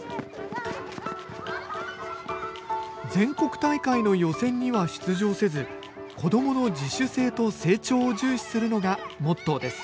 全国大会の予選には出場せず、子どもの自主性と成長を重視するのがモットーです。